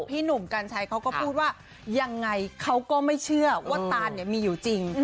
พี่หนุ่มกัญชัยเขาก็พูดว่ายังไงเขาก็ไม่เชื่อว่าตานมีอยู่จริง